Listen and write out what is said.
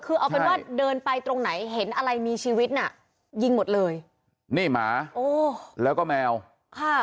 คือเอาเป็นว่าเดินไปตรงไหนเห็นอะไรมีชีวิตน่ะยิงหมดเลยนี่หมาโอ้แล้วก็แมวค่ะ